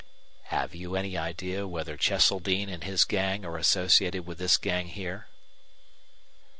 "Have you any idea whether Cheseldine and his gang are associated with this gang here?"